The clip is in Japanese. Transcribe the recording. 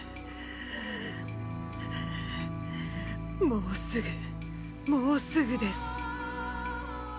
もうすぐもうすぐです！